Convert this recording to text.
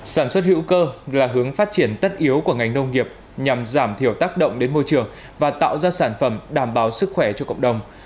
sản xuất hữu cơ là hướng phát triển tất yếu của ngành nông nghiệp nhằm giảm thiểu tác động đến môi trường và tạo ra sản phẩm đảm bảo sức khỏe cho cộng đồng